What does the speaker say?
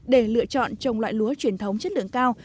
để lựa chọn trồng loại lúa truyền thống chất lượng cao